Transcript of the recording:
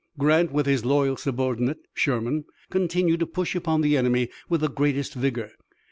Grant, with his loyal subordinate, Sherman, continued to push upon the enemy with the greatest vigor.